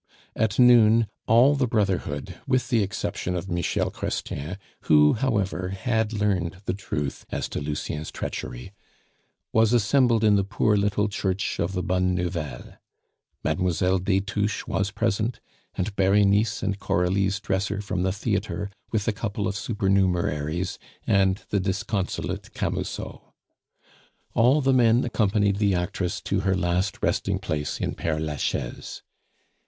At noon all the brotherhood, with the exception of Michel Chrestien (who, however, had learned the truth as to Lucien's treachery), was assembled in the poor little church of the Bonne Nouvelle; Mlle. de Touches was present, and Berenice and Coralie's dresser from the theatre, with a couple of supernumeraries and the disconsolate Camusot. All the men accompanied the actress to her last resting place in Pere Lachaise.